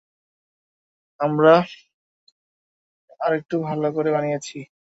আমরা আরেকটু ভালো করে বানিয়েছি।